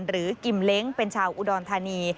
กิมเล้งเป็นชาวอุดรธานี